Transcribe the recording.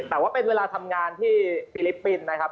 แต่ว่าเป็นเวลาทำงานที่ฟิลิปปินส์นะครับ